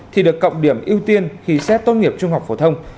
thì được cộng điểm ưu tiên khi xét tốt nghiệp trung học phổ thông